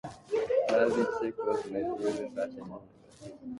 Nazi chic was later used in the fashion industry in various occasions.